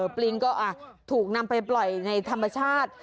ปริงก็ถูกนำไปปล่อยในธรรมชาติ